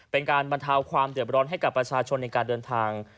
เป็นการบรรเทาความเดือบร้อนให้กับประชาชนในการเดินทาง